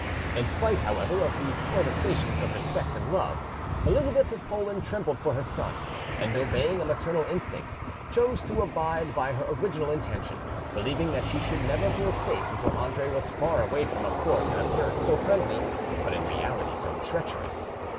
In spite, however, of these protestations of respect and love, Elizabeth of Poland trembled for her son, and, obeying a maternal instinct, chose to abide by her original intention, believing that she should never feel safe until Andre was far away from a court in appearance so friendly but in reality so treacherous.